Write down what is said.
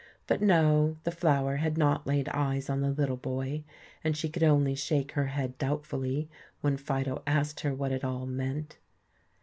But no, the flower had not laid eyes on the little boy, and she could only shake her head doubtfully when Fido asked her what it all meant.